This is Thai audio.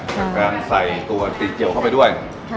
จากการใส่ตัวตีเจียวเข้าไปด้วย